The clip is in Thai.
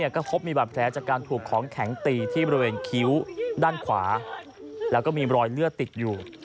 ก็พบมีบาดแผลจากการถูกของแข็งตีที่บริเวณคิ้วด้านขวาแล้วก็มีรอยเลือดติดอยู่